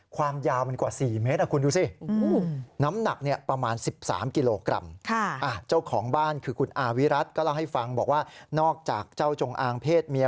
ความยาวมันกว่า๔เมตรคุณดูสิ